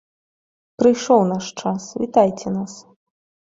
Прыйшоў наш час, вітайце нас!